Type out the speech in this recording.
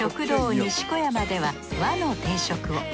西小山では和の定食を。